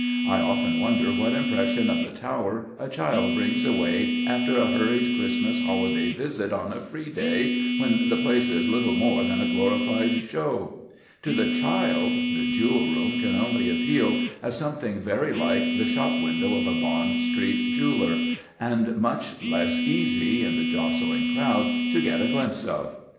I often wonder what impression of the Tower a child brings away after a hurried Christmas holiday visit on a "free day" when the place is little more than a glorified show. To the child, the Jewel room can only appeal as something very like the shop window of a Bond Street jeweller, and much less easy, in the jostling crowd, to get a glimpse of.